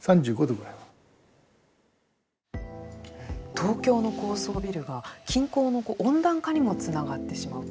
東京の高層ビルが、近郊の温暖化にもつながってしまうと。